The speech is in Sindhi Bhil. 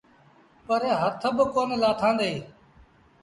پر هٿ با ڪونا لآٿآݩدي۔